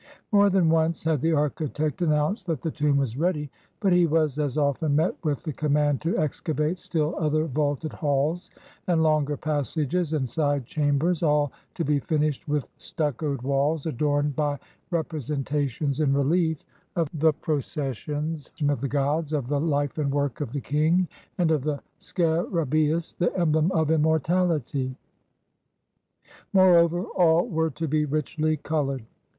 More than once had the architect announced that the 164 FINDING PHARAOH tomb was ready, but he was as often met with the com mand to excavate still other vaulted halls and longer passages and side chambers, all to be finished with stuccoed walls adorned by representations in relief of the processions of the gods, of the life and work of the king, and of the scarabceus, the emblem of immortality. Moreover, all were to be richly colored.